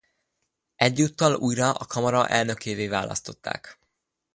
Egyúttal újra a kamara elnökévé választották.